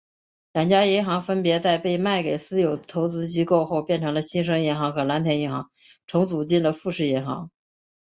两家银行分别在被卖给私有投资机构后变成了新生银行和蓝天银行重组进了富士银行。